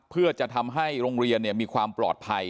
เพื่อจะทำให้โรงเรียนมีความปลอดภัย